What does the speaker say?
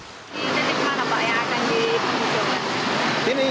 ini nanti kemana pak yang akan di penghijauan